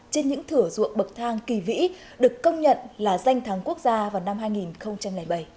trên những thửa ruộng bậc thang kỳ vĩ được công nhận là danh thắng quốc gia vào năm hai nghìn bảy